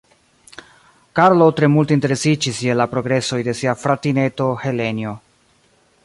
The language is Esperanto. Karlo tre multe interesiĝis je la progresoj de sia fratineto Helenjo.